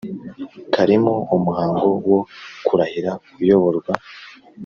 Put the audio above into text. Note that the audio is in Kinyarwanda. Karimo umuhango wo kurahira uyoborwa